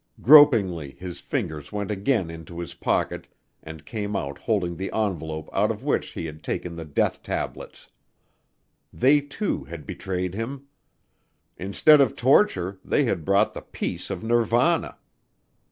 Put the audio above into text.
Gropingly his fingers went again into his pocket and came out holding the envelope out of which he had taken the death tablets. They, too, had betrayed him. Instead of torture they had brought the peace of Nirvana.